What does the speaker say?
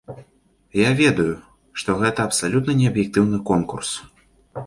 Я ведаю, што гэта абсалютна не аб'ектыўны конкурс.